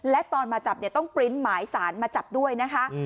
และตอนมาจับเนี่ยต้องปริ้นต์หมายสารมาจับด้วยนะคะ